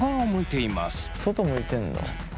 外向いてんだ。